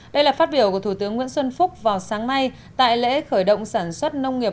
đây là phát biểu của thủ tướng nguyễn xuân phúc vào sáng nay tại lễ khởi động sản xuất nông nghiệp